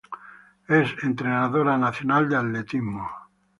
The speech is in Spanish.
Es entrenadora nacional de atletismo.